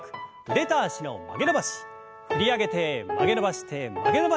振り上げて曲げ伸ばして曲げ伸ばして振り下ろす。